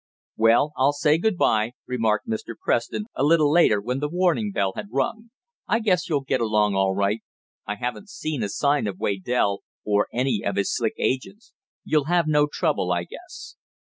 "Well, I'll say good bye," remarked Mr. Preston, a little later, when the warning bell had rung. "I guess you'll get along all right. I haven't seen a sign of Waydell, or any of his slick agents. You'll have no trouble I guess."